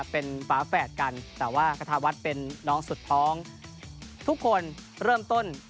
เป็นฝาแฝดกันแต่ว่าคาทาวัฒน์เป็นน้องสุดท้องทุกคนเริ่มต้น